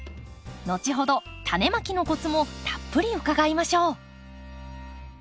後ほどタネまきのコツもたっぷり伺いましょう。